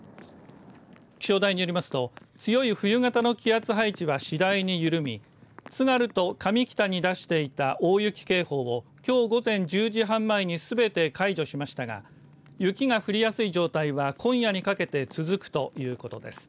気象台によりますと強い冬型の気圧配置は次第に緩み津軽と上北に出していた大雪警報をきょう午前１０時半前にすべて解除しましたが雪が降りやすい状態は今夜にかけて続くということです。